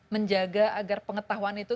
menjaga agar pengetahuan itu